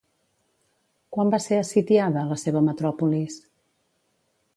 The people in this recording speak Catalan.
Quan va ser assitiada, la seva metròpolis?